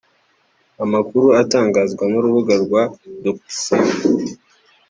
Amakuru atangazwa n’urubuga rwa doctissimo